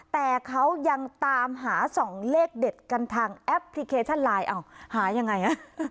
แต่เขายังตามหาส่องเลขเด็ดกันทางแอปพลิเคชันไลน์อ้าวหายังไงอ่ะ